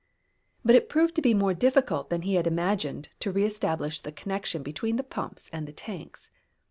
But it proved to be more difficult than he had imagined to re establish the connection between the pumps and the tanks.